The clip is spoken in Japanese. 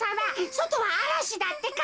そとはあらしだってか。